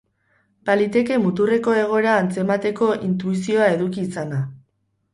Baliteke muturreko egoera antzemateko intuizioa eduki izana.